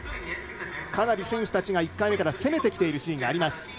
かなり選手たちが、１回目から攻めているシーンがあります。